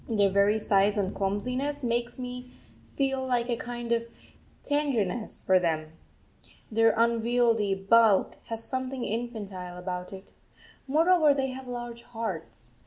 Their very size and clumsiness make me feel a kind of tenderness for them their unwieldy bulk has something infantile about it. Moreover, they have large hearts.